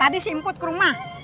tadi si emput ke rumah